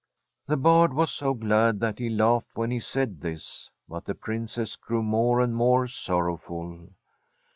The Bard was so glad that he laughed when he said this; but the Princess grew more and more sorrowful.